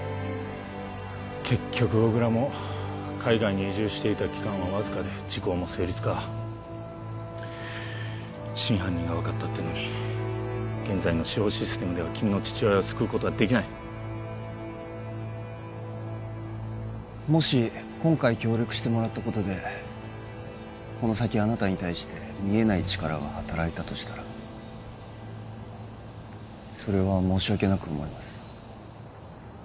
結局小倉も海外に移住していた期間はわずかで時効も成立か真犯人が分かったってのに現在の司法システムでは君の父親を救うことはできないもし今回協力してもらったことでこの先あなたに対して見えない力が働いたとしたらそれは申し訳なく思います